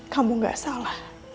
kamu gak salah